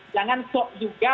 jangan sok juga